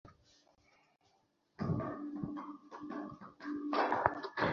তারই প্রতিশোধ নেওয়ার জন্য সন্ত্রাসী লাগিয়ে তাঁর ওপর হামলা করা হয়েছে।